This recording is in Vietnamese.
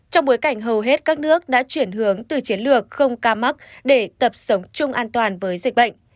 trong bối cảnh hầu hết các nước đã chuyển hướng từ chiến lược không ca mắc để tập sống chung an toàn với dịch bệnh